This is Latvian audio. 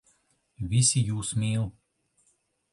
Visi jūs mīl.